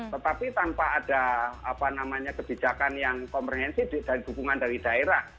tetapi tanpa ada apa namanya kebijakan yang komprehensi dan dukungan dari daerah